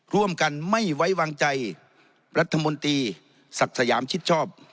ร่วมกันไม่ไว้วางใจรัฐมนตรีศักดิ์สยามชิดชอบ